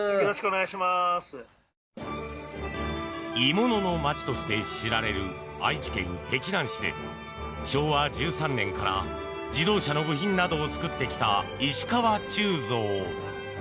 鋳物の町として知られる愛知県碧南市で、昭和１３年から自動車の部品などを作ってきた石川鋳造。